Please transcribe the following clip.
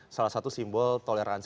salah satu simbol toleransi